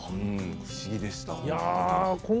不思議でした。